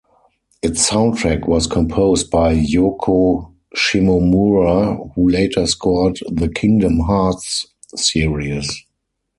Its soundtrack was composed by Yoko Shimomura who later scored the "Kingdom Hearts" series.